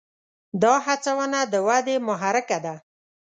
دا هڅونه د ودې محرکه ده.